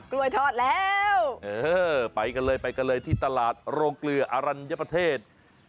กล้วยทอดแล้วเออไปกันเลยไปกันเลยที่ตลาดโรงเกลืออรัญญประเทศ